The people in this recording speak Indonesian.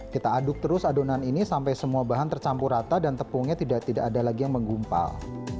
kita aduk terus adonan ini sampai semua bahan tercampur rata dan tepungnya tidak ada lagi yang menggumpal